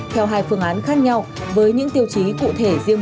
theo hai phương án khác nhau với những tiêu chí cụ thể riêng